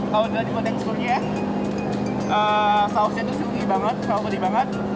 kalau di konteks dunia sausnya tuh sungguh sungguh kering banget